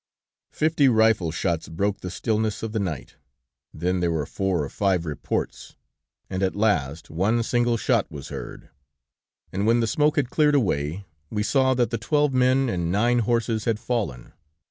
'" "Fifty rifle shots broke the stillness of the night, then there were four or five reports, and at last one single shot was heard, and when the smoke had cleared away, we saw that the twelve men and nine horses had fallen.